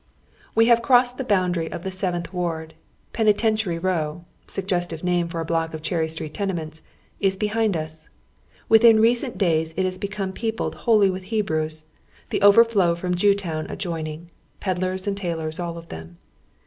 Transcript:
We have crossed the boundary of tiic Seventh "Ward. Penitentiary Row, suggestive name for a block of Cherry Street tenemeuts, is behind us. Within recent days it has become peopled wholly witli Hebrews, the overflow from Jewtown adjoining, pedlars and tailors, all of them.